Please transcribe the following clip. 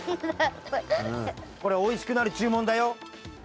これおいしくなるじゅもんだよ。